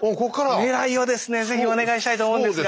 狙いをですね是非お願いしたいと思うんですが。